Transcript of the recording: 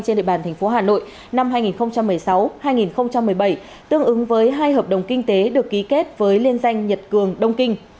trên địa bàn tp hà nội năm hai nghìn một mươi sáu hai nghìn một mươi bảy tương ứng với hai hợp đồng kinh tế được ký kết với liên danh nhật cường đông kinh